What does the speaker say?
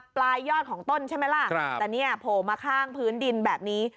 ปลายยอดของต้นใช่ไหมล่ะแต่เนี่ยโผล่มาข้างพื้นดินแบบนี้